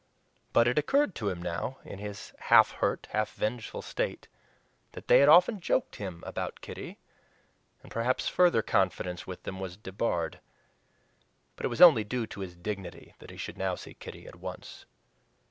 But it occurred to him now, in his half hurt, half vengeful state, that they had often joked him about Kitty, and perhaps further confidence with them was debarred. And it was only due to his dignity that he should now see Kitty at once.